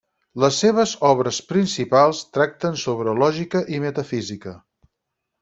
Les seves obres principals tracten sobre lògica i metafísica.